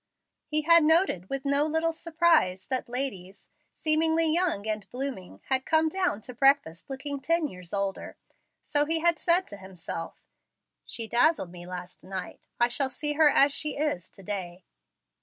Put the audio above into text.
He had noted with no little surprise that ladies seemingly young and blooming had come down to breakfast looking ten years older; so he had said to himself, "She dazzled me last night. I shall see her as she is to day."